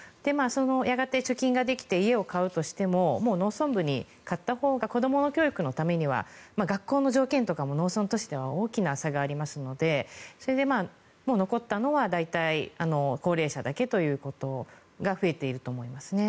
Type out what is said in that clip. やがて貯金ができて家を買うとしてももう農村部に買ったほうが子どもの教育のためには学校の条件とかも農村都市では大きな差がありますのでそれで残ったのは大体、高齢者だけということが増えていると思います。